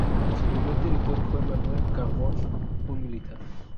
Su primer director fue Manuel Cambón, un militar.